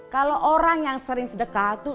kalo orang yang sering sedekah tuh